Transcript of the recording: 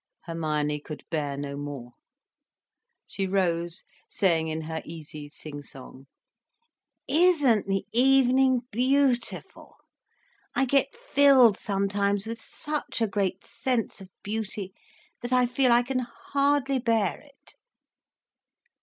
Hermione could bear no more. She rose, saying in her easy sing song: "Isn't the evening beautiful! I get filled sometimes with such a great sense of beauty, that I feel I can hardly bear it."